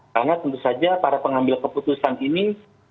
karena tentu saja para pengambil keputusan ini